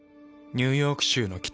ニューヨーク州の北。